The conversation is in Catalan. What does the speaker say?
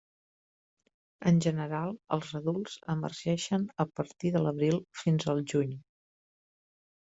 En general, els adults emergeixen a partir de l'abril fins al juny.